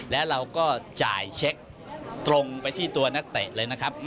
แล้วเราก็จ่ายเช็คตรงไปที่ตัวนักเตะเลยนะครับ